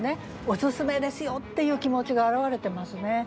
オススメですよっていう気持ちが表れてますね。